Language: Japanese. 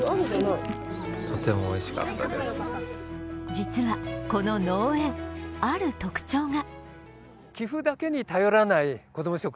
実はこの農園、ある特徴が。